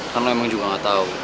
kan lo emang juga ga tau